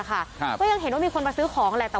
ก็ยังเห็นว่ามีคนมาซื้อของแหละ